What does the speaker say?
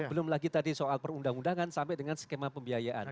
belum lagi tadi soal perundang undangan sampai dengan skema pembiayaan